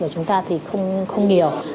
chúng ta không nhiều